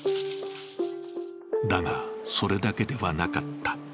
だが、それだけではなかった。